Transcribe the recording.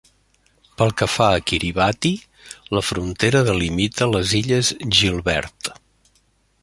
Pel que fa a Kiribati, la frontera delimita les illes Gilbert.